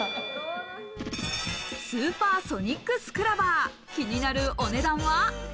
スーパーソニックスクラバー、気になるお値段は。